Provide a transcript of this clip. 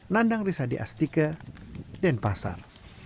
nandang risa di astika denpasar